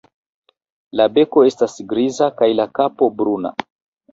La beko esta griza kaj la kapo bruna.